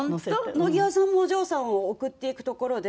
野際さんもお嬢さんを送っていくところで。